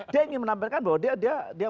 dia ingin menampilkan bahwa dia